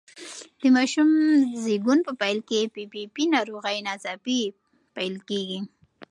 د ماشوم زېږون په پیل کې پي پي پي ناروغي ناڅاپي پیل کوي.